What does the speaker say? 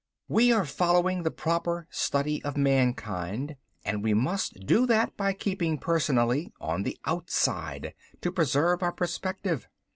"We are following the proper study of mankind and we must do that by keeping personally on the outside, to preserve our perspective.